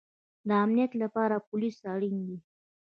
د امنیت لپاره پولیس اړین دی